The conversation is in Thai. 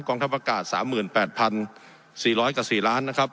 กองทับอากาศสามหมื่นแปดพันสี่ร้อยกับสี่ล้านนะครับ